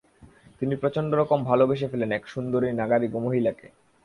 তিনি প্রচন্ডরকম ভালোবেসে ফেলেন এক সুন্দরী নগারিগো মহিলাকে।